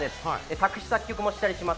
作詞・作曲もしたりします。